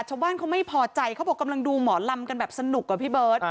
ชาวบ้านเขาไม่พอใจเขาบอกกำลังดูหมอลำกันแบบสนุกอะพี่เบิร์ต